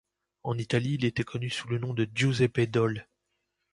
En Italie, il était connu sous le nom Giuseppe Dol.